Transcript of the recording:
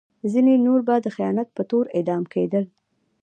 ځینې نور به د خیانت په تور اعدام کېدل.